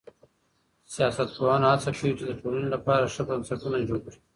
سياستپوهنه هڅه کوي چي د ټولني لپاره ښه بنسټونه جوړ کړي.